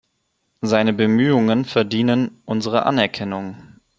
Seine Bemühungen verdienen unsere Anerkennung.